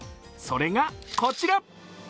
それがこちら。